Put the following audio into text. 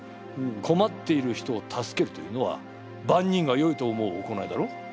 こまっている人を助けるというのはばんにんがよいと思う行いだろう？